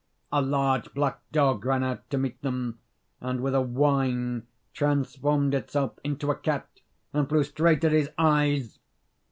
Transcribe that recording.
A large black dog ran out to meet them, and with a whine transformed itself into a cat and flew straight at his eyes.